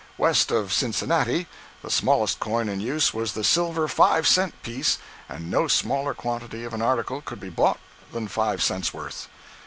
West of Cincinnati the smallest coin in use was the silver five cent piece and no smaller quantity of an article could be bought than "five cents' worth."